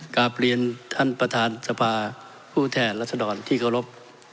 กลับเรียนท่านประธานสภาผู้แทนรัศดรที่เคารพ